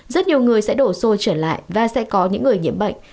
rất nhiều người sẽ đổ xô trở lại và sẽ có những người nhiễm bệnh